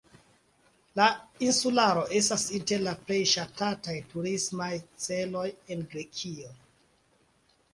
La insularo estas inter la plej ŝatataj turismaj celoj en Grekio.